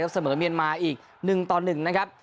เสมอเมียนมาอีก๑ต่อ๑นะครับ